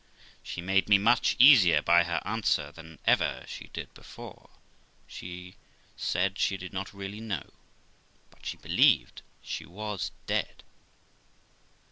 She made me much easier by her answer than ever she did before j she said she did not really know, but she believed she was dead.